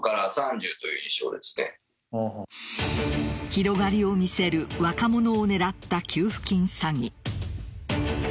広がりを見せる若者を狙った給付金詐欺。